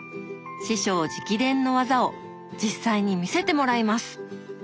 師匠直伝の技を実際に見せてもらいます！